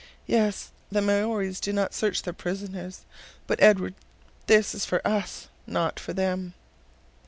"Yes! the Maories do not search their prisoners. But, Edward, this is for us, not for them."